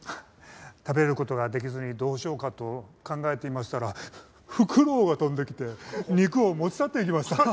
食べる事ができずにどうしようかと考えていましたらフクロウが飛んできて肉を持ち去っていきました。